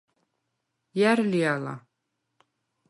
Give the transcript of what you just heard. ჲა̈რ ლი ალა?